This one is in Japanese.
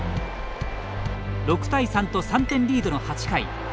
６対３と、３点リードの８回。